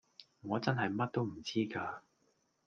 我真係乜都唔知㗎